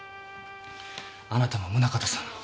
あなたも宗形さんも。